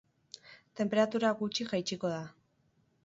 Tenperatura gutxi jaitsiko da.